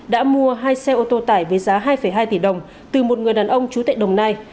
đã mua hai xe ô tô tải với giá hai hai tỷ đồng từ một người đàn ông trú tại đồng nai